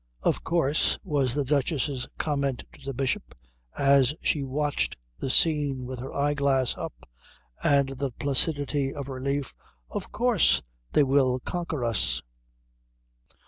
"Of course," was the Duchess's comment to the Bishop as she watched the scene with her eyeglass up and the placidity of relief, "of course they will conquer us."